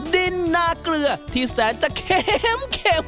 ดินนาเกลือที่แสนจะเข็ม